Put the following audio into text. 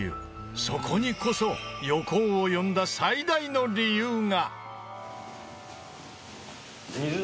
そこにこそ横尾を呼んだ最大の理由が！